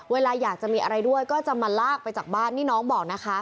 เวลาอยากจะมีอะไรด้วยก็จะมาลากไปจากบ้านนี่น้องบอกนะคะ